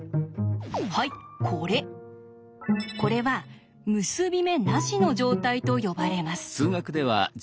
これは「結び目なし」の状態と呼ばれます。